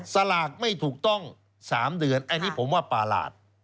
สลากไม่ถูกต้อง๓เดือนอันนี้ผมว่าประหลาด